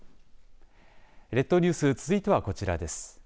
列島ニュース続いてはこちらです。